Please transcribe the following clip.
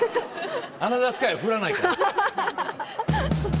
『アナザースカイ』はふらないから。